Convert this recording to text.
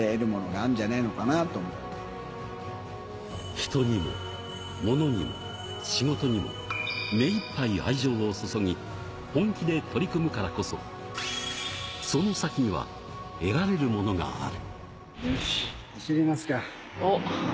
人にも、モノにも、仕事にも、目いっぱい愛情を注ぎ、本気で取り組むからこそ、その先には得られるものがある。